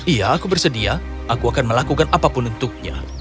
iya aku bersedia aku akan melakukan apapun untuknya